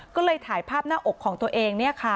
ก็เลยถ่ายภาพหน้าอกของตัวเอง